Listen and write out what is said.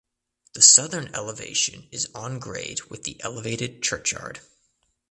The southern elevation is on grade with the elevated churchyard.